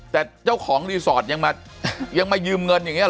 แต่เจ้าของรีสอร์ทยังมายืมเงินอย่างนี้ห